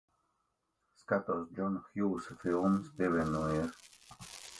Skatos Džona Hjūsa filmas. Pievienojies.